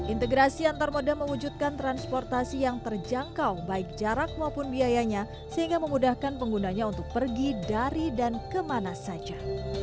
integrasi antar moda mewujudkan transportasi yang terjangkau baik jarak maupun biayanya sehingga memudahkan penggunanya untuk pergi dari dan kemana saja